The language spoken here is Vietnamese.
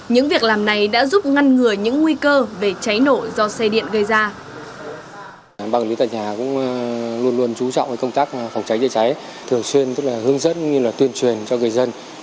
những việc làm này đã giúp ngăn ngừa những nguy cơ về cháy nổ do xe điện gây ra